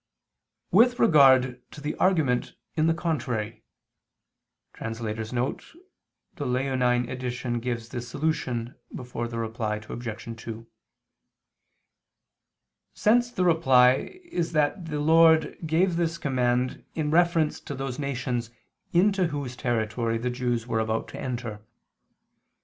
With regard to the argument in the contrary [*The Leonine Edition gives this solution before the Reply Obj. 2] sense the reply is that the Lord gave this command in reference to those nations into whose territory the Jews were about to enter.